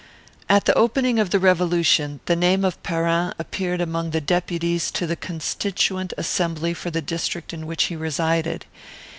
"At the opening of the Revolution, the name of Perrin appeared among the deputies to the constituent assembly for the district in which he resided.